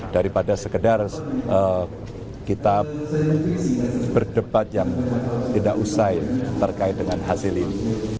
daripada sekedar kita berdebat yang tidak usai terkait dengan hasil ini